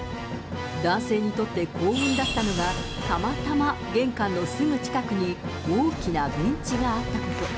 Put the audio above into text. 男性にとって幸運だったのが、たまたま玄関のすぐ近くに、大きなベンチがあったこと。